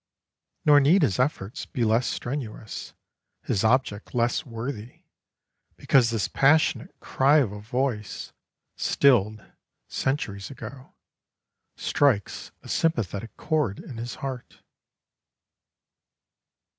Nor need his efforts be less strenuous, his object less worthy, because this passionate cry of a voice, stilled centuries ago, strikes a sympathetic chord in his heart.